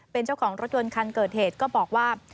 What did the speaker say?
เป็นเจ้าของรถยนต์คันเกิดเหตุก็บอกว่า